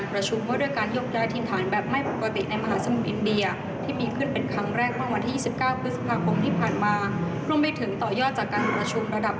แล้วก็กลับมากมีคนะการทั้งแรกที่วันที่๑๙พฤษภาคมที่ผ่านมาร่วมไปถึงต่อย่าเจอการประชุมระดับ